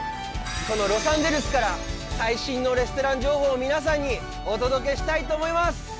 このロサンゼルスから最新のレストラン情報を皆さんにお届けしたいと思います。